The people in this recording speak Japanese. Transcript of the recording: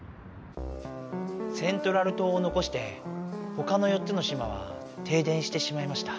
セントラル島をのこしてほかの４つの島は停電してしまいました。